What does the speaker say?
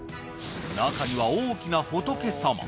中には大きな仏様。